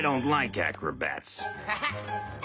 ハハッ！